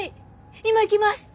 今行きます。